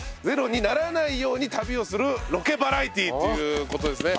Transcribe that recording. ゼロにならないように旅をするロケバラエティーということですね。